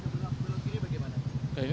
jadi jadi blok m plaza bagaimana